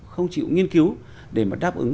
không chịu nghiên cứu để mà đáp ứng